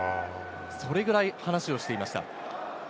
それぐらいという話をしていました。